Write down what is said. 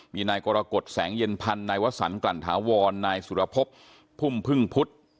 มีนายกรกฎแสงเย็นพันธ์นายวสันกลั่นถาวรนายสุรพบพุ่มพึ่งพุทธ